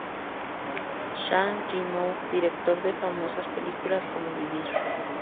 Zhang Yimou, director de famosas películas como "¡Vivir!